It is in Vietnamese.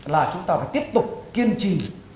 là chúng ta phải tiếp tục kiên trì